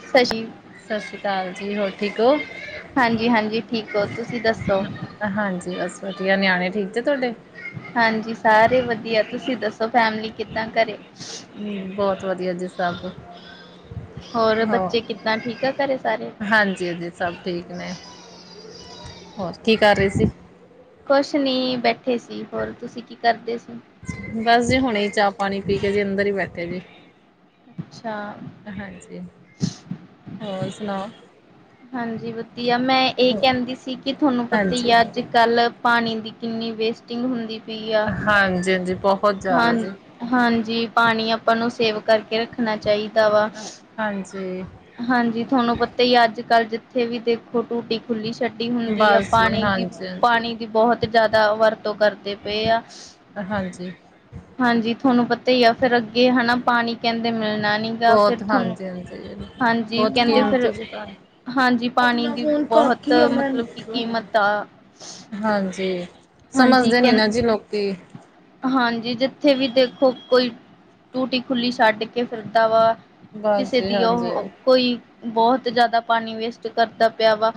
ਸਸ਼ੀ ਸਤਿ ਸ਼੍ਰੀ ਕਾਲ ਜੀ, ਹੋਰ ਠੀਕ ਹੋ? ਹਾਂਜੀ-ਹਾਂਜੀ ਠੀਕ ਹੋ, ਤੁਸੀਂ ਦੱਸੋ। ਹਾਂਜੀ ਬਸ ਵਧੀਆ ਨਿਆਣੇ ਠੀਕ ਜੇ ਤੁਹਾਡੇ। ਹਾਂਜੀ ਸਾਰੇ ਵਧੀਆ ਤੁਸੀਂ ਦੱਸੋ ਫੈਮਲੀ ਕਿੱਦਾਂ ਘਰੇ। ਬਹੁਤ ਵਧੀਆ ਜੀ ਸਭ ਹੋਰ ਹਾਂ ਬੱਚੇ ਕਿੱਦਾਂ ਠੀਕ ਆ ਘਰੇ ਸਾਰੇ? ਹਾਂਜੀ ਹਾਂਜੀ। ਸਭ ਠੀਕ ਨੇ ਹੋਰ ਕੀ ਕਰ ਰਹੀ ਸੀ। ਕੁਛ ਨਹੀ ਬੈਠੇ ਸੀ ਹੋਰ ਤੁਸੀਂ ਕੀ ਕਰਦੇ ਸੀ। ਬਸ ਜੀ ਹੁਣੇ ਚਾਹ ਪਾਣੀ ਪੀ ਕੇ ਜੀ ਅੰਦਰ ਹੀ ਬੈਠੇ ਜੇ। ਅੱਛਾ, ਹਾਂਜੀ ਹੋਰ ਸੁਣਾਓ! ਹਾਂਜੀ, ਵਧੀਆ ਮੈਂ ਏ ਹੋ ਕੈੰਦੀ ਸੀ ਕਿ ਤੁਹਾਨੂੰ ਪਤਾ ਹਾਂਜੀ ਹੀ ਆ ਅੱਜ-ਕੱਲ ਪਾਣੀ ਦੀ ਕਿੰਨੀ ਵੇਸਟਿੰਗ ਹੁੰਦੀ ਪਈ ਆ। ਹਾਂਜੀ-ਹਾਂਜੀ ਬਹੁਤ, ਹਾਂ, ਜ਼ਿਆਦਾ ਜੀ ਹਾਂਜੀ ਪਾਣੀ ਆਪਾਂ ਨੂੰ ਸੇਵ ਕਰਕੇ ਰੱਖਣਾ ਚਾਹੀਦਾ ਵਾ। ਹਾਂਜੀ। ਹਾਂਜੀ, ਤੁਹਾਨੂੰ ਪਤਾ ਈ ਅੱਜ-ਕੱਲ੍ਹ ਜਿੱਥੇ ਵੀ ਦੇਖ ਟੂਟੀ ਖੁੱਲੀ ਛੱਡੀ ਹੁੰਦੀ ਆ ਬਸ ਜੀ ਪਾਣੀ ਦੀ। ਹਾਂਜੀ ਹਾਂਜੀ ਪਾਣੀ ਦੀ ਬਹੁਤ ਜ਼ਿਆਦਾ ਵਰਤੋਂ ਕਰਦੇ ਪਏ ਆ। ਹਾਂਜੀ। ਹਾਂਜੀ, ਥੋਨੂੰ ਪਤਾ ਈ ਆ ਫੇਰ ਅੱਗੇ ਹਨਾ ਪਾਣੀ ਲੈਂਦੇ ਮਿਲਣਾ ਨੀ। ਫਿਰ ਬਹੁਤ ਥੋਨੂੰ ਹਾਂਜੀ ਹਾਂਜੀ ਹਾਂਜੀ ਬਹੁਤ ਕਹਿੰਦੇ ਫਿਰ। ਕੀਮਤੀ ਜੀ ਘਰ ਹਾਂਜੀ ਪਾਣੀ ਆਪਣਾ ਦੀ ਫੋਨ ਬਹੁਤ ਕਾਕੀ ਆ ਮੈਂ ਮਤਲਬ ਕਿ ਕੀਮਤ ਆ ਹਾਂਜੀ ਹਾਂਜੀ ਸਮਝਦੇ ਨੀ ਕਹਿੰ ਨਾ ਜੀ ਲੋਕੀ। ਹਾਂਜੀ, ਜਿੱਥੇ ਵੀ ਦੇਖੋ ਕੋਈ ਟੂਟੀ ਖੁੱਲੀ ਛੱਡ ਕੇ ਫਿਰਦਾ ਵਾ। ਬਸ ਕਿਸੇ ਜੀ ਦੀ ਹਾਂਜੀ। ਉਹ ਕੋਈ ਬਹੁਤ ਜ਼ਿਆਦਾ ਪਾਣੀ ਵੇਸਟ ਕਰਦਾ ਪਿਆ ਵਾ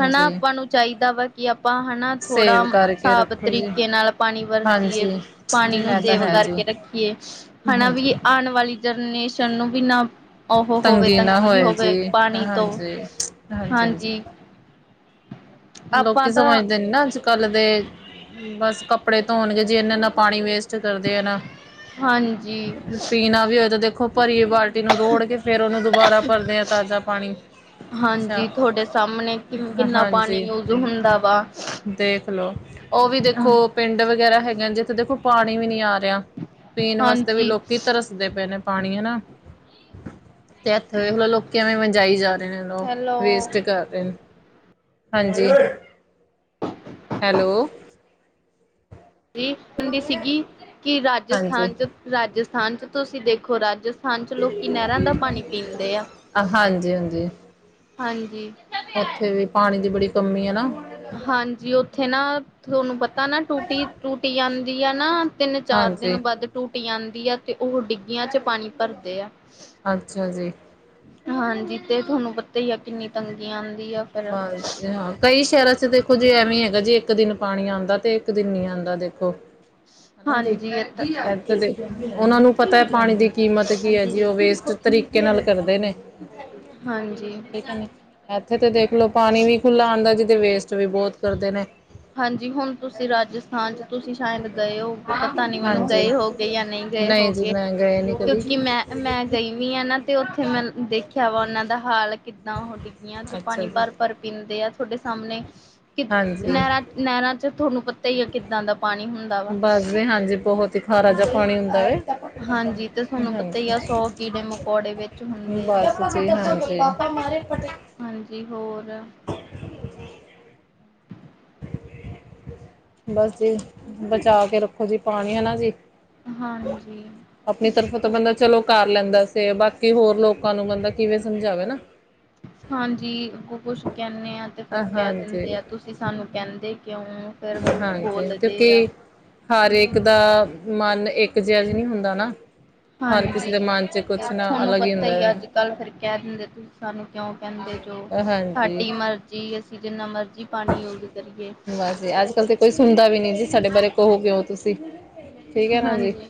ਹਨਾ ਆਪਾਂ ਨੂੰ ਚਾਹੀਦਾ ਵਾ ਕਿ ਆਪਾਂ ਹਨਾ ਥੋੜ੍ਹਾ ਸੇਵ ਕਰਕੇ ਹਿਸਾਬ ਰੱਖੋ ਜੀ, ਤਰੀਕੇ ਨਾਲ ਪਾਣੀ ਵਰਤੀਏ ਹਾਂਜੀ। ਪਾਣੀ ਨੂੰ ਐ ਤਾਂ ਸੇਵ ਹੈ ਜੀ, ਕਰਕੇ ਰੱਖੀਏ ਹਨਾ ਵੀ। ਹਾਂਜੀ। ਆਣ ਵਾਲੀ ਜਨਰੇਸ਼ਨ ਨੂੰ ਵੀ ਨਾ ਉਹ ਹੋਵੇ ਨਾ ਤੰਗੀ ਹੋਏ ਹੋਵੇ ਜੀ, ਪਾਣੀ ਤੋਂ ਹਾਂਜੀ, ਹਾਂਜੀ-ਹਾਂਜੀ। ਹਾਂਜੀ। ਆਪਾਂ ਲੋਕੀ ਤਾਂ ਸਮਝਦੇ ਨੇ ਨਾ ਅੱਜ। ਕੱਲ ਦੇ ਬਸ ਕੱਪੜੇ ਧੋਣ ਜੇ ਇਨਾ ਇਨਾ ਪਾਣੀ ਵੇਸਟ ਕਰਦੇ ਆ ਨਾ। ਹਾਂਜੀ ਪੀਣਾ ਵੀ ਹੋਏ ਤਾਂ ਦੇਖੋ ਭਰੀ ਬਾਲਟੀ ਬ ਨੂੰ ਰੋੜ ਕੇ ਫ਼ਿਰ ਉਹਨੂੰ ਦੁਬਾਰੇ ਭਰਦੇ ਆ ਤਾਜ਼ਾ ਪਾਣੀ। ਅੱਛਾ, ਹਾਂਜੀ ਤੁਹਾਡੇ ਸਾਹਮਣੇ ਕਿ ਕਿੰਨਾ ਪਾਣੀ ਹਾਂਜੀ। ਯੂਜ ਹੁੰਦਾ ਵਾ। ਦੇਖਲੋ ਉਹ ਵੀ ਦੇਖੋ ਪਿੰਡ ਵਗੈਰਾ ਹੈਗੇ ਜਿੱਥੇ ਦੇਖੋ ਪਾਣੀ ਵੀ ਨੀ ਆ ਰਿਹਾ। ਪੀਣ ਵਾਸਤੇ ਵੀ ਹਾਂਜੀ ਲੋਕੀ ਤਰਸਦੇ ਪਏ ਨੇ ਪਾਣੀ ਹਨਾ। ਤੇ ਐ ਦੇਖਲੋ ਲੋਕੀ ਐਵੇਂ ਵਜਾਈ ਜਾ ਰਹੇ ਨੇ ਹੈਲੋ ਵੇਸਟ ਕਰ ਰਹੇ ਨੇ। ਹਾਂਜੀ ਹੈਲੋ, ਕਿ ਹਾਂਜੀ ਰਾਜਸਥਾਨ ਚ ਰਾਜਸਥਾਨ ਚ ਤੁਸੀਂ ਦੇਖੋ ਰਾਜਸਥਾਨ [unintelligible] ਚ ਲੋਕੀ ਨਹਿਰਾਂ ਦਾ ਪਾਣੀ ਪੀਂਦੇ ਆ ਹਾਂਜੀ ਹਾਂਜੀ ਹਾਂਜੀ। ਉੱਥੇ ਵੀ ਪਾਣੀ ਦੀ ਬੜੀ ਕਮੀ ਐ ਨਾ। ਹਾਂਜੀ ਉੱਥੇ ਨਾ ਤੁਹਾਨੂੰ ਪਤਾ ਨਾ ਟੂਟੀ ਟੂਟੀ ਆਂਦੀ ਆ ਨਾ। ਤਿੰਨ ਚਾਰ ਦਿਨ ਹਾਂਜੀ ਵੱਧ ਟੂਟੀ ਆਂਦੀ ਆ ਤੇ ਉਹ ਡਿੱਗੀਆਂ ਚ ਪਾਣੀ ਭਰਦੇ ਆ। ਅੱਛਾ ਜੀ, ਹਾਂਜੀ ਤੇ ਤੁਹਾਨੂੰ ਪਤਾ ਹੀ ਆ ਕਿੰਨੀ ਤੰਗੀ ਆ ਫਿਰ [unintelligible] ਕਈ ਸ਼ਹਿਰਾਂ ਚ ਦੇਖੋ ਜੇ ਐਵੇਂ ਹੈਗਾ ਜੇ ਇੱਕ ਦਿਨ ਪਾਣੀ ਆਂਦਾ ਤੇ ਇੱਕ ਦਿਨ ਨੀ ਆਂਦਾ ਦੇਖੋ। ਹਾਂਜੀ ਇਧਰ ਦੇਖੋ ਉਹਨਾਂ ਨੂੰ ਪਤਾ ਹੈ ਪਾਣੀ ਦੀ ਕੀਮਤ ਕੀ ਹੈਗੀ ਜੀ ਉਹ ਵੇਸਟ ਤਰੀਕੇ ਨਾਲ ਕਰਦੇ ਨੇ। ਹਾਂਜੀ, ਠੀਕ ਹੈ ਨੇ ਇੱਥੇ ਤਾਂ ਦੇਖ ਲੋਓ ਪਾਣੀ ਵੀ ਖੁੱਲ੍ਹਾ ਆਂਦਾ ਜਿਥੇ ਵੇਸਟ ਵੀ ਬਹੁਤ ਕਰਦੇ ਨੇ। ਹਾਂਜੀ ਹੁਣ ਤੁਸੀਂ ਰਾਜਸਥ ਹਾਂਜੀ ਤੁਸੀਂ ਸ਼ਾਇਦ ਗਏ ਹੋਗੇ ਪਤਾ ਨੀ ਮੈਨੂੰ ਹਾਂਜੀ ਗਏ ਹੋਗੇ ਜਾਂ ਨਹੀਂ ਗਏ ਜੀ ਹੋਗੇ। ਮੈਂ ਗਏ ਨੀ ਕਬੀ। ਕਿ ਮੈਂ ਮੈਂ ਗਈ ਵੀ ਆ ਨਾ ਤੇ ਉੱਥੇ ਮੈਂ ਦੇਖਿਆ ਵਾ ਉਹਨਾਂ ਦਾ ਹਾਲ। ਕਿੱਦਾਂ ਉਹ ਡਿੱਗੀਆਂ ਚ ਅੱਛਾ ਪਾਣੀ ਜੀ ਭਰ ਭਰ ਪੀਂਦੇ ਆ ਤੁਹਾਡੇ ਸਾਹਮਣੇ ਕਿ ਹਾਂਜੀ ਨਹਿਰਾਂ ਨਹਿਰਾਂ ਚ ਤੁਹਾਨੂੰ ਪਤਾ ਹੀ ਆ ਕਿੱਦਾਂ ਦਾ ਪਾਣੀ ਹੁੰਦਾ। ਵਾ ਬਸ ਜੀ ਹਾਂਜੀ ਬਹੁਤ ਹੀ ਖਾਰਾ ਜਿਹਾ ਪਾਣੀ ਹੁੰਦਾ ਵੈ। ਹਾਂਜੀ ਤੇ ਤੁਹਾਨੂੰ ਪਤਾ ਹਾਂਜੀ ਹੀ ਆ ਸੌ ਕੀੜੇ ਮਕੌੜੇ ਵਿੱਚ ਹੁੰਦੇ ਆ ਬਸ ਜੀ ਹਾਂਜੀ। [unintelligible] ਹਾਂਜੀ ਹੋਰ, [unintelligible] ਬਸ ਜੀ ਬਚਾ ਕੇ ਰੱਖੋ ਜੀ ਪਾਣੀ ਹਨਾ ਜੀ। ਹਾਂਜੀ, ਆਪਣੀ ਤਰਫੋਂ ਤਾਂ ਬੰਦਾ ਚਲੋ ਕਰ ਲੈਂਦਾ ਸੇਵ ਬਾਕੀ ਹੋਰ ਲੋਕਾਂ ਨੂੰ ਬੰਦਾ ਕਿਵੇਂ ਸਮਝਾਵੇ ਨਾ। ਹਾਂਜੀੱ ਕੁਛ ਕਹਿੰਦੇ ਆਾ ਤੇ ਫਿਰ ਕਹਿ ਹਾਂਜੀ ਦਿੰਦੇ ਆ ਤੁਸੀਂ ਸਾਨੂੰ ਕਹਿੰਦੇ ਕਿਉਂ ਫਿਰ ਹਾਂਜੀ ਬੋਲਦੇ ਆ ਕਿਉਂਕਿ ਹਰ ਇੱਕ ਦਾ ਮਨ ਇੱਕ ਜਿਹਾ ਨਹੀਂ ਹੁੰਦਾ ਨਾ। ਹਰ ਕਿਸੇ ਹਾਂਜੀ, ਦੇ ਮਨ ਚ ਕੁਛ ਨਾ ਤੁਹਾਨੂੰ ਅਲੱਗ ਪਤਾ ਹੁੰਦਾ ਹੀ ਆ ਅੱਜ ਹੈ ਕੱਲ ਫਿਰ ਕਹਿ ਦਿੰਦੇ ਤੁਸੀਂ ਸਾਨੂੰ ਕਿਉਂ ਕਹਿੰਦੇ ਜੋ। ਹਾਂਜੀ ਸਾਡੀ ਮਰਜ਼ੀ ਅਸੀਂ ਜਿੰਨਾ ਮਰਜ਼ੀ। ਪਾਣੀ ਯੂਜ ਕਰੀਏ ਬਸ ਜੀ ਅੱਜ ਕਲ ਤੇ ਕੋਈ ਸੁਣਦਾ ਵੀ ਨਹੀਂ ਜੀ। ਸਾਡੇ ਬਾਰੇ ਕਹੋ ਕਿਉਂ ਤੁਸੀਂ ਠੀਕ ਹੈ ਨਾ ਜੀ। ਹਾਂਜੀ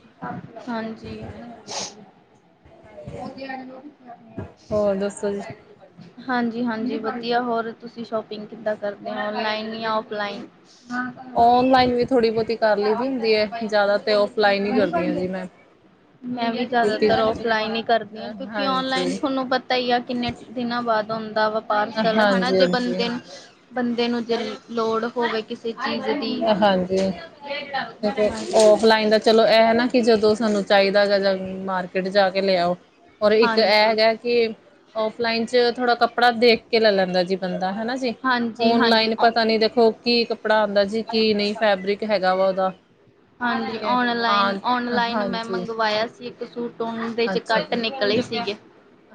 ਹਾਂਜੀ। ਹੋਰ ਦੱਸੋ ਜੀ [unintelligible] ਹਾਂਜੀ ਹਾਂਜੀ ਵਧੀਆ ਹੋਰ ਤੁਸੀਂ ਸ਼ੋਪਿੰਗ ਕਿਦਾਂ ਕਰਦੇ ਹੋ ਆਨਲਾਈਨ ਜਾਂ ਆਫਲਾਈਨ। ਹਾਂ, ਔਨਲਾਈਨ ਵੀ ਥੋੜ੍ਹੀ ਬਹੁਤੀ ਕਰ ਲਈ ਦੀ ਹੁੰਦੀ ਹੈ ਜ਼ਿਆਦਾ ਤਾਂ ਔਫਲਾਈਨ ਹੀ ਕਰਦੀ ਹਾਂ ਜੀ ਮੈਂ [unintelligible] ਮੈਂ ਵੀ ਕਿਉਂਕਿ ਜ਼ਿਆਦਾਤਰ ਔਫਲਾਈਨ ਹੀ ਕਰਦੀ ਹਾਂ ਕਿਉਂਕਿ ਹਾਂਜੀ ਔਨਲਾਈਨ ਤੁਹਾਨੂੰ ਪਤਾ ਹੀ ਆ ਕਿੰਨੇ ਦਿਨਾਂ ਬਾਅਦ ਆਉਂਦਾ ਵਾ ਪਾਰਸਲ ਹਨਾ ਹਾਂਜੀ ਜੇ ਬੰਦੇ ਹਾਂਜੀ ਨੂੰ, ਬੰਦੇ ਨੂੰ ਜੇ ਲੋੜ ਹੋਵੇ ਕਿਸੇ ਚੀਜ਼ ਦੀ। ਉਹ ਆਫਲਾਈਨ ਦਾ ਚਲੋ ਇਹ ਨਾ ਕਿ ਜਦੋਂ ਸਾਨੂੰ ਚਾਹੀਦਾ ਹੈਗਾ ਜਾਂ ਮਾਰਕੀਟ ਜਾ ਕੇ ਲਿਆਓ ਔਰ ਇੱਕ ਇਹ ਹਾਂਜੀ ਹੈਗਾ ਕੇ ਔਫਲਾਈਨ ਚ ਥੋੜਾ ਕੱਪੜਾ ਦੇਖ ਕੇ ਲੈ ਲੈਂਦਾ ਜੀ ਬੰਦਾ ਹਨਾ ਜੀ। ਹਾਂਜੀ ਹਾਂਜੀ ਆਨਲਾਈਨ ਔ ਪਤਾ ਨੀ ਦੇਖੋ ਕੀ ਕੱਪੜਾ ਆਉਂਦਾ ਜੀ ਕੀ ਨਹੀਂ ਫੈਬਰਿਕ ਹੈਗਾ ਵਾ ਉਹਦਾ। ਹਾਂਜੀ ਠੀਕ ਹੈ ਓਨਲਾਈਨ ਹਾਂ ਓਨਲਾਈਨ ਮੈਂ ਹਾਂਜੀ ਮੰਗਵਾਇਆ ਸੀ। ਸੂਟੋਣ ਦੇ ਚ ਅੱਛਾ ਕੱਟ ਜੀ ਨਿਕਲੇ ਸੀਗੇ।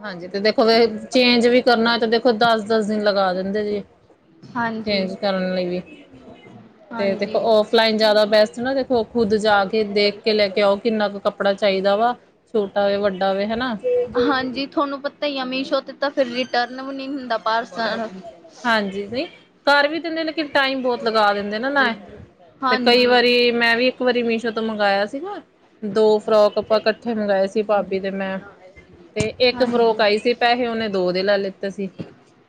ਹਾਂਜੀ ਤੇ ਦੇਖੋ ਚੇਂਜ ਵੀ ਕਰਨਾ ਤੇ ਦੇਖੋ ਦਸ ਦਸ ਦਿਨ ਲਗਾ ਦਿੰਦੇ ਜੀ। ਹਾਂਜੀ ਚੇਂਜ ਕਰਨ ਲਈ ਵੀ। ਤੇ ਹਾਂਜੀ, ਦੇਖੋ ਔਫਲਾਈਨ ਜ਼ਿਆਦਾ ਬੈਸਟ ਨਾ ਦੇਖੋ ਖੁੱਦ ਜਾ ਕੇ ਦੇਖ ਕੇ ਲੈ ਕੇ ਆਓ ਕਿੰਨਾ ਕੁ ਕੱਪੜਾ ਚਾਹੀਦਾ ਵਾ ਛੋਟਾ ਹੋਵੇ ਵੱਡਾ ਹੋਵੇ ਹਨਾ। ਹਾਂਜੀ ਤੁਹਾਨੂੰ ਪਤਾ ਹੀ ਆ ਮੀਸ਼ੋ ਤੇ ਤਾਂ ਫਿਰ ਰਿਟਰਨ ਵੀ ਨੀ ਹੁੰਦਾ ਪਾਰਸਲ। ਹਾਂਜੀ ਕਰ ਵੀ ਦਿੰਦੇ ਨੇ ਲੇਕਿਨ ਟਾਈਮ ਬਹੁਤ ਲਗਾ ਦਿੰਦੇ ਨਾ ਨਾ ਨਾਲ ਤੇ ਕਈ ਹਾਂਜੀ, ਵਾਰੀ ਮੈਂ ਵੀ ਇੱਕ ਵਾਰੀ ਮੀਸ਼ੋ ਤੋਂ ਮੰਗਵਾਇਆ ਸੀਗਾ। ਦੋ ਫਰੋਕ ਆਪਾਂ ਇਕੱਠੇ ਮੰਗਵਾਏ ਸੀ ਭਾਬੀ ਤੇ ਮੈਂ ਤੇ ਨਾਲ ਇੱਕ ਹਾਂਜੀ। ਫਰੋਕ ਆਈ ਸੀ ਪੈਸੇ ਉਹਨੇ ਦੋ ਦੇ ਲਾ ਲਿੱਤੇ ਸੀ।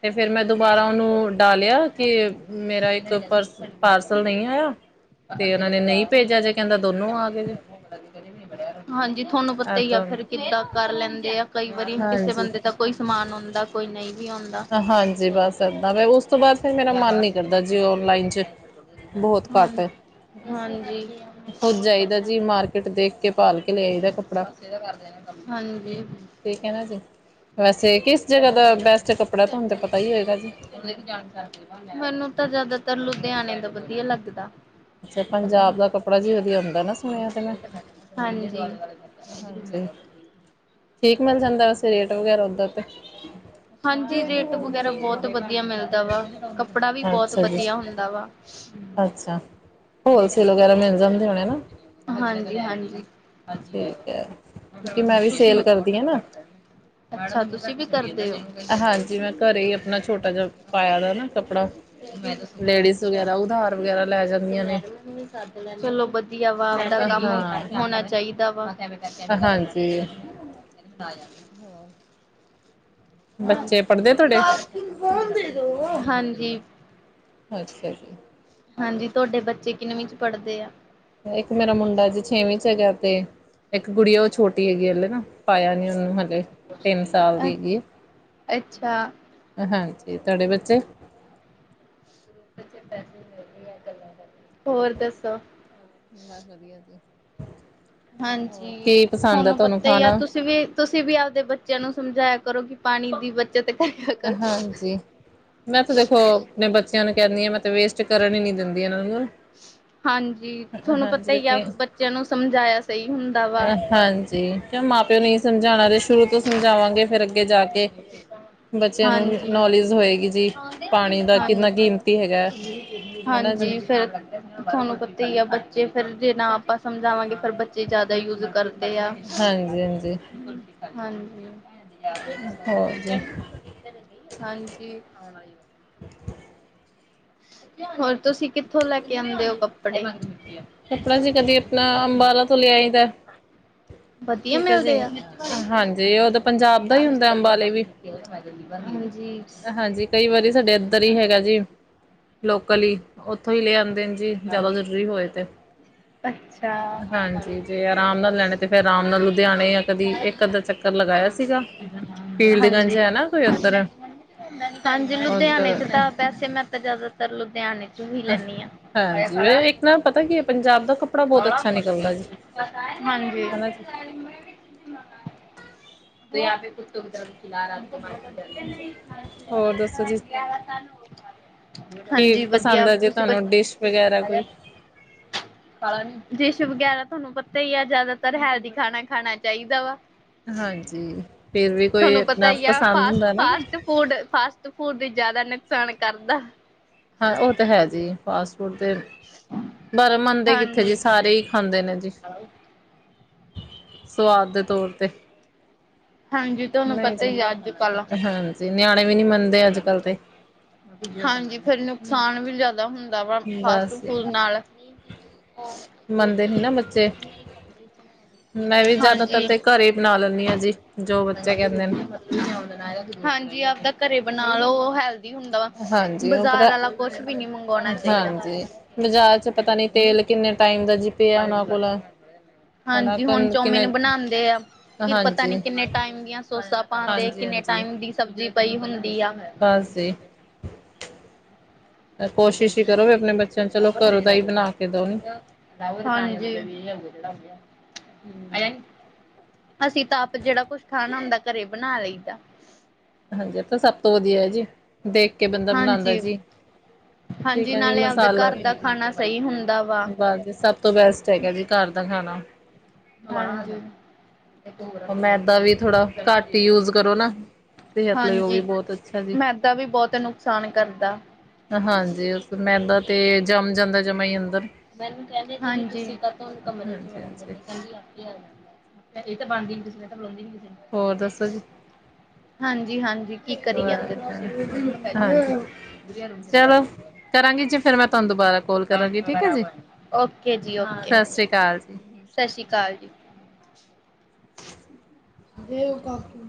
ਤੇ ਫਿਰ ਮੈਂ ਦੁਬਾਰਾ ਉਹਨੂੰ ਡਾਲਿਆ ਕਿ ਮੇਰਾ ਇੱਕ ਪਰਸ ਪਾਰਸਲ ਨਹੀਂ ਆਇਆ। ਤੇ ਅੱਗੇ ਉਹਨਾਂ ਤਾਂ ਨੇ ਕਦੇ ਨਹੀਂ ਆਇਆ ਨੀ ਭੇਜਿਆ ਜੇ ਕਹਿੰਦਾ ਦੋਨੋ ਕਦੇ ਆ ਗਏ ਜੇ ਨੀ [unintelligible] ਹਾਂਜੀ ਤੁਹਾਨੂੰ ਇਹ ਪਤਾ ਹੀ ਆ ਤਾਂ ਫਿਰ ਕਿੱਦਾਂ ਕਰ ਲੈਂਦੇ ਆ ਕਈ ਵਾਰੀ ਕਿਸੇ ਹਾਂਜੀ ਬੰਦੇ ਦਾ ਕੋਈ ਸਮਾਨ ਹੁੰਂਦਾ। ਕੋਈ ਨਹੀਂ ਵੀ ਆਂਦਾ। ਹਾਂਜੀ ਬਸ ਏਦਾਂ ਉਸ ਤੋਂ ਬਾਅਦ ਫਿਰ ਮੇਰਾ ਮਨ ਨੀ ਕਰਦਾ ਜੀ ਔਨਲਾਈਨ ਚ ਬਹੁਤ ਹਾਂ ਘੱਟ ਹਾਂਜੀ। ਕਿਤੇ ਦੇਖ ਕੇ ਭਾਲ ਲਿਆਈਦਾ ਕੱਪੜਾ ਹਾਂਜੀ। ਠੀਕ ਵੈਸੇ ਕਿਸ ਜਗ੍ਹਾ ਦਾ ਬੈਸਟ ਏ ਕੱਪੜਾ ਤੁਹਾਨੂੰ ਤੇ ਪਤਾ ਈ ਹੋਏਗਾ ਜੀ। ਮੈਨੂੰ ਤਾਂ ਜਿਆਦਾਤਰ ਲੁਧਿਆਣੇ ਦਾ ਵਧੀਆ ਲੱਗਦਾ। ਅੱਛਾ ਪੰਜਾਬ ਦਾ ਕੱਪੜਾ ਜੀ ਵਧੀਆ ਹੁੰਦਾ ਨਾ ਸੁਣਿਆ ਤੇ ਮੈਂ। ਹਾਂਜੀ। ਹਾਂਜੀ ਠੀਕ ਮਿਲ ਜਾਂਦਾ ਵੈਸੇ ਰੇਟ ਵਗੈਰਾ ਓਦਰ ਤੇ‌। ਹਾਂਜੀ ਰੇਟ ਵਗੈਰਾ ਬੋਤ ਵਧੀਆ ਮਿਲਦਾ ਵਾ। ਕੱਪੜਾ ਵੀ ਬੋਤ ਅੱਛਾ ਜੀ ਵਧੀਆ ਹੁੰਦਾ ਵਾ। ਅੱਛਾ ਹੋਲਸੇਲ ਵਗੈਰਾ ਮਿਲ ਜਾਂਦੇ ਹੋਣੇ ਨਾ। ਹਾਂਜੀ ਹਾਂਜੀ ਠੀਕ ਹੈ ਕਿਉਂਕਿ ਮੈਂ ਵੀ ਤੁਸੀਂ। ਸੇਲ ਕਰਦੀ ਹਾਂ ਨਾ ਅੱਛਾ ਤੁਸੀਂ ਵੀ ਕਰਦੇ ਹੋ। ਹਾਂਜੀ ਮੈਂ ਘਰੇ ਹੀ ਆਪਣਾ ਛੋਟਾ ਜਿਹਾ ਪਾਇਆ ਦਾ ਨਾ ਕੱਪੜਾ। ਲੇਡੀਜ਼ ਵਗੈਰਾ ਉਧਾਰ ਵਗੈਰਾ ਲੈ ਜਾਂਦੀਆਂ ਨੇ ਚਲੋ ਵਧੀਆ। ਵਧੀਆ ਦਾ ਕੰਮ ਹਾਂ ਹੋਣਾ ਚਾਹੀਦਾ। ਚਾਹੀਦਾ ਵਾ। ਹਾਂ, ਬੱਚੇ ਹਾਂਜੀ। ਪੜ੍ਹਦੇ ਤੁਹਾਡੇ ਹਾਂਜੀ ਅੱਛਾ ਜੀ। ਹਾਂਜੀ ਤੁਹਾਡੇ ਬੱਚੇ ਕਿੰਨਵੀ ਚ ਪੜ੍ਹਦੇ ਆ। ਇੱਕ ਮੇਰਾ ਮੁੰਡਾ ਜੀ ਛੇਵੀਂ ਚ ਹੈਗਾ ਤੇ ਇੱਕ ਕੁੜੀ ਆ ਉਹ ਛੋਟੀ ਹੈਗੀ ਹਲੇ ਨਾ। ਪਾਇਆ ਨੀ ਉਹਨੂੰ ਹਲੇੇ ਤਿੰਨ ਸਾਲ ਦੀ ਹੈਗੀ। ਅੱਛਾ। ਹਾਂਜੀ ਤਾਡੇ ਬੱਚੇ। ਹੋਰ ਦੱਸੋ। ਬਸ ਵਧੀਆ ਜੀ। ਹੋਰ ਹਾਂਜੀ ਕੀ ਪਸੰਦ ਆ ਤੁਹਾਨੂੰ ਪਤਾ ਈ ਆ ਖਾਣਾ ਤੁਸੀਂ ਵੀ ਤੁਸੀ ਵੀ ਆਪਦੇ ਬੱਚਿਆਂ ਨੂੰ ਸਮਝਾਇਆ ਕਰੋ, ਕਿ ਪਾਣੀ ਦੀ ਬ ਜਦ ਟਿਕਣ ਹਾਂਜੀ। ਮੈਂ ਤੇ ਵੇਖੋ ਅਪਣੇ ਬੱਚੇਆਂ ਨੂੰ ਕਹਿੰਨੀ ਆਂ, ਮੈਂ ਤੇ ਵੇਸਟ ਕਰਨ ਈ ਨੀ ਦਿੰਦੀ ਇਹਨਾਂ ਨੂੰ ਨਾ। ਹਾਂਜੀ ਤੁਹਾਨੂੰ ਪਤਾ ਈ ਆ, ਕਿਉਂਕਿ ਬੱਚੇਆਂ ਨੂੰ ਸਮਝਾਇਆ ਸਹੀ ਹੁੰਦਾ ਵਾ। ਹਾਂਜੀ ਕਿਉ ਮਾਂ ਪਿਓ ਨੇ ਈ ਸਮਝਾਉਣਾ, ਜੇ ਸ਼ੁਰੂ ਤੋਂ ਸਮਝਾਵਾਂਗੇ, ਫੇਰ ਅੱਗੇ ਜਾ ਕੇ ਬੱਚੇਆਂ ਨੂੰ ਹਾਂਜੀ। ਨੌਲੇਜ ਹੋਏਗੀ ਜੀ, ਪਾਣੀ ਦਾ ਕਿੰਨਾ ਹਾਂਜੀ, ਕੀਮਤੀ ਹੈਗਾ ਐ। ਹਾਂਜੀ ਫੇਰ ਤੁਹਾਨੂੰ ਪਤਾ ਈ ਆ, ਬੱਚੇ ਫੇਰ ਜੇ ਨਾ ਆਪਾਂ ਸਮਝਾਵਾਂਗੇ ਫੇਰ ਬ ਜੇ ਜਆਦਾ ਯੂਜ ਕਰਦੇ ਆ, ਹਾਂਜੀ ਹਾਂਜੀ ਹਾਂਜੀ। ਹੋਰ ਜੀ ਹਾਂਜੀ। [unintelligible] ਹੋਰ ਤੁਸੀ ਕਿੱਥੋਂ ਲੈ ਕੇ ਆਂਦੇ ਓ ਕੱਪੜੇ? ਕੱਪੜਾ ਜੀ ਕਦੀ ਅਪਣਾ ਅੰਬਾਲਾ ਤੋਂ ਲੇ ਆਈ ਦਾ ਐ। [unintelligible] ਵਧੀਆ ਮਿਲਦੇ ਆ, ਹਾਂ ਹਾਂਜੀ ਉਹ ਤਾਂ ਪੰਜਾਬ ਦਾ ਹੀ ਹੁੰਦਾ ਅੰਬਾਲੇ ਵੀ ਜੀ। ਹਾਂਜੀ, ਕਈ ਵਾਰੀ ਸਾਡੇ ਏਧਰ ਈ ਹੈਗਾ ਜੀ। [unintelligible] ਲੋਕਲ ਈ, ਔਥੋਂ ਈ ਲੈ ਆਉਂਦੇ ਨੇ ਜੀ, ਜਾਦਾ ਜ਼ਰੂਰੀ ਹੋਏ ਤੇ। ਅੱਛਾ। ਹਾਂਜੀ, ਜੇ ਆਰਾਮ ਨਾਲ ਲੈਣੇ ਤੇ ਫੇਰ ਰਾਮ ਨਾਲ ਲੁਧਿਆਣੇ ਜਾਂ ਕਦੀ ਏਕ ਅੱਧਾ ਚੱਕਰ ਲਗਾਇਆ ਸੀਗਾ, ਫੀਲਡ ਗੰਜ ਹਾਂਜੀ, ਹੈ ਨਾ। ਕੋਈ ਅੰਦਰ ਐ ਹਾਂਜੀ ਲੁਧਿਆਣੇ ਚ ਤਾਂ, ਵੈਸੇ ਮੈਂ ਤੇ ਜ਼ਿਆਦਾਤਰ ਲੁਧਿਆਣੇ ਤੋ ਹੀ ਲੈਂਨੀ ਆਂ। ਹਯੇ ਖਲਾ ਮੈਂਮ ਪਤਾ ਕੀ ਹੈ, ਪੰਜਾਬ ਦਾ ਕੱਪੜਾ ਬਹੁਤ ਬੜਾ ਅੱਛਾ ਮੁਸ਼ਕਿਲ ਨਿਕਲਦਾ ਜੀ, ਹਾਂਜੀ ਹਨਾ ਜੀ ਪੇ ਕੁ ਤਰ ਖਲਾ ਰਿ [inaudible] ਠ ਹੋਰ ਦੱਸੋ ਜੀ ਗਿਆ ਸ [unintelligible] ਕੀ ਹਾਂਜੀ, ਵਧੀਆ ਪਸੰਦ ਆ ਜੇ ਤੁਸੀਂ ਬ ਤੁਹਾਨੂੰ ਡਿਸ਼ ਵਗੈਰਾ ਕੋਈ ਡੀਸ਼ ਵਗੈਰਾ ਤੁਹਾਨੂੰ ਪਤਾ ਹੀ ਐ, ਜ਼ਿਆਦਾਤਰ ਹੈਲਦੀ ਖਾਣਾ ਖਾਣਾ ਚਾਹੀਦਾ ਵਾ ਹਾਂਜੀ, ਫਿਰ ਵੀ ਕੋਈ ਤੁਹਾਨੂੰ ਪਤਾ ਆਪਨਾ ਹੀ ਆ ਪਸੰਦ ਫਾਸਟ ਹੁੰਦਾ ਨਾ ਫਿਰ ਫਾਸਟ ਫੂਡ ਫਾਸਟ ਫੂਡ ਵੀ ਜ਼ਿਆਦਾ ਨੁਕਸਾਨ ਕਰਦਾ ਹਾਂ ਉਹ ਤਾਂ ਹੈ ਜੀ, ਫਾਸਟ ਫੂਡ ਤੇ ਪਰ ਏ ਮਨਦੇ ਕਿੱਥੇ ਜੀ, ਹਾਂਜੀ ਸਾਰੇ ਹੀ ਖਾਂਦੇ ਨੇ ਜੀ ਸਵਾਦ ਦੇ ਤੌਰ ਤੇ। ਹਾਂਜੀ ਤੁਹਾਨੂੰ ਨਈ ਪਤਾ ਜੀ, ਹੀ ਆ ਅੱਜ ਕੱਲ ਹਾਂਜੀ ਨਿਆਣੇ ਵੀ ਨੀ ਮੰਨਦੇ ਅੱਜ ਕੱਲ ਤੇ। ਹਾਂਜੀ ਫੇਰ ਨੁਕਸਾਨ ਵੀ ਜਾਦਾ ਹੁੰਦਾ। ਅਪਣਾ ਫਾਸਟ ਬਸ ਫੂਡ ਨਾਲ। ਮੰਨਦੇ ਨੀ ਨਾ ਬੱਚੇ ਮੈਂ ਵੀ ਜਿਆਦਾਤਰ ਹਾਂਜੀ ਤੇ ਘਰੇ ਈ ਬਣਾ ਲੈਂਨੀ ਆਂ ਜੀ। ਜੋ ਬੱਚੇ ਕਹਿੰਦੇ ਨੇ ਹਾਂਜੀ, ਆਪਦਾ ਘਰੇ ਬਣਾ ਲਓ ਓ ਹੈਲ ਹੁੰਦਾ ਵਾ, ਹਾਂਜੀ ਉਹ ਬਜ਼ਾਰ ਪਤਾ ਵਾਲਾ ਕੁਛ ਵੀ ਨੀ ਮੰਗਵਾਉਣਾ ਚਾਹੀਦਾ। ਹਾਂਜੀ ਬਾਜ਼ਾਰ ਚ ਪਤਾ ਨੀ ਤੇਲ ਕਿੰਨੇ ਟਾਈਮ ਦਾ ਜੀ ਪਿਆ ਓਹਨਾਂ ਕੋਲ। ਹਨਾ ਹਾਂਜੀ ਹੁਣ ਚੌਮਿਨ ਕਿੰਨੇ ਬਣਾਂਦੇ ਐ, ਫਿਰ ਪਤਾ ਨੀ ਹਾਂਜੀ ਕਿੰਨੇ ਕਿੰਨੇ ਟਾਈਮ ਦੀਆਂ ਸੋਸਾ ਪਾਉਂਦੇ, ਹਾਂਜੀ ਕਿੰਨੇ ਹਾਂਜੀ ਟਾਈਮ ਦੀ ਸਬਜ਼ੀ ਪਈ ਹੁੰਦੀ ਆ। ਬਸ ਜੀ। ਪਰ ਕੋਸ਼ਿਸ਼ ਹੀ ਕਰੋ, ਵੀ ਆਪਣੇ ਬੱਚਿਆਂ ਨੂੰ ਚਲੋ ਘਰੋਂ ਦਾ ਹੀ ਬਣਾ ਕੇ ਦਓ ਨੀ ਹਾਂਜੀ ਅਸੀਂ ਤਾਂ ਆਪ ਜਿਹੜਾ ਕੁਛ ਖਾਣਾ ਹਦਾ ਘਰੇ ਬਣਾ ਲਈਦਾ ਹਾਂਜੀ, ਏ ਤਾਂ ਸਭ ਤੋਂ ਵਧੀਆ ਹੈ ਜੀ, ਦੇਖ ਕੇ ਬੰਦਾ ਬਣਾਉਂਦਾ ਹਾਂਜੀ ਜੀ [inaudible] ਠੀਕ ਹਾਂਜੀ ਹੈ ਜੀ, ਨਾਲੇ ਮੈਂ ਆਪਦੇ ਮਸਾਲਾ ਘਰ ਦਾ ਖਾਣਾ ਸਹੀ ਹੁੰਦਾ ਵਾ ਬਾਜੀ ਸਭ ਸਭ ਤੋਂ ਬੈਸਟ ਹੈਗਾ ਜੀ ਘਰ ਦਾ ਖਾਣਾ ਹਾਂਜੀ ਮੈਦਾ ਵੀ ਥੋੜਾ ਘੱਟ ਯੂਜ ਕਰੋ ਨਾ ਸਿਹਤ ਲਈ ਉਹ ਵੀ ਹਾਂਜੀ ਬਹੁਤ ਅੱਛਾ ਜੀ। ਮੈਦਾ ਵੀ ਬਹੁਤ ਨੁਕਸਾਨ ਕਰਦਾ ਹਾਂਜੀ ਮੈਦਾ ਤੇ ਜੰਮ ਜਾਂਦਾ ਜਮਾ ਹੀ ਅੰਦਰ ਮੈਨੂੰ ਕਹਿੰਦੇ ਹਾਂਜੀ ਕਮਰੇ ਹਾਂਜੀ ਹਾਂਜੀ। [unintelligible] ਇਹ ਤਾਂ ਬਣਦੀ ਨੀ ਕਿਸੇ ਨੇ ਤਾਂ ਬਲਾਉਂਦੀ ਨੀ ਕਿਸੇ ਨੇ ਹੋਰ ਦੱਸੋ ਜੀ ਹਾਂਜੀ-ਹਾਂਜੀ ਕੀ ਕਰੀ ਜਾਂਦੇ ਤੁਸੀਂ? [unintelligible] ਅੱਛਾ। ਚਲੋ ਕਰਾਂਗੀ ਜੀ ਫਿਰ ਮੈਂ ਤੁਹਾਨੂੰ ਦੁਬਾਰਾ ਕੋਲ ਕਰਾਂਗੀ ਠੀਕ ਹੈ ਜੀ ਓਕੇ ਜੀ ਓਕੇ ਸਤਿ ਸ਼੍ਰੀ ਅਕਾਲ ਸਤਿ ਸ਼੍ਰੀ ਅਕਾਲ ਜੀ ਦੇ ਕਾਕੀ